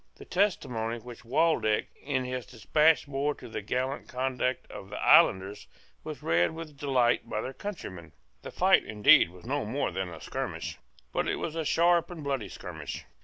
The testimony which Waldeck in his despatch bore to the gallant conduct of the islanders was read with delight by their countrymen. The fight indeed was no more than a skirmish: but it was a sharp and bloody skirmish.